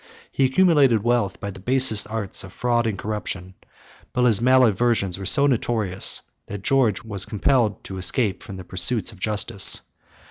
He accumulated wealth by the basest arts of fraud and corruption; but his malversations were so notorious, that George was compelled to escape from the pursuits of justice.